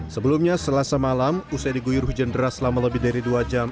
sebelumnya selasa malam usai diguyur hujan deras selama lebih dari dua jam